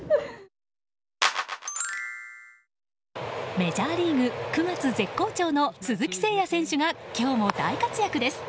メジャーリーグ９月絶好調の鈴木誠也選手が今日も大活躍です。